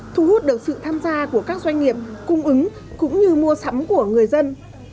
thu hút được sự tham gia của các doanh nghiệp cung ứng cũng như mua sắm của người dân